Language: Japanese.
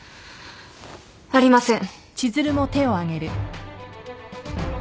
ありません。